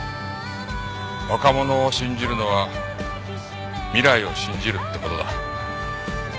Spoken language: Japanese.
若者を信じるのは未来を信じるって事だ。